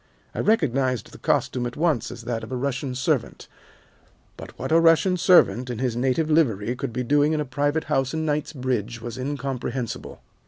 I recognized the costume at once as that of a Russian servant, but what a Russian servant in his native livery could be doing in a private house in Knightsbridge was incomprehensible.